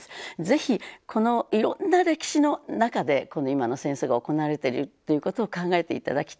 是非このいろんな歴史の中でこの今の戦争が行われているっていうことを考えていき